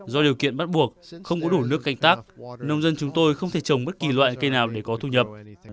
do điều kiện bắt buộc không có đủ nước canh tác nông dân chúng tôi không thể trồng bất kỳ loại cây nào để có thu nhập